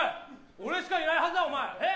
俺しかいないはずだお前えっ？